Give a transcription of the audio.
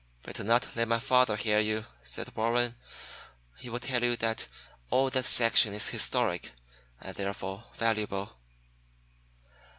"Better not let my father hear you," said Warren. "He would tell you that all that section is historic, and therefore valuable."